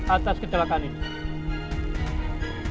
atas kecelakaan ini